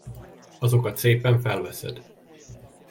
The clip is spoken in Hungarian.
Azokat szépen felveszed.